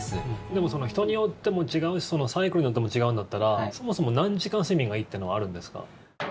でも、人によっても違うしサイクルによっても違うんだったらそもそも何時間睡眠がいいっていうのはあるんですか？